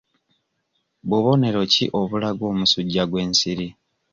Bubonero ki obulaga omusujja gw'ensiri?